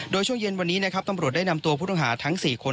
โดยช่วงเย็นวันนี้นะครับตำรวจได้นำตัวผู้ต้องหาทั้ง๔คน